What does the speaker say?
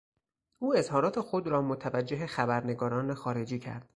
او اظهارات خود را متوجه خبرنگاران خارجی کرد.